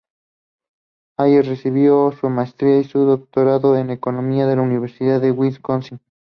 Heller recibió su maestría y doctorado en economía de la Universidad de Wisconsin.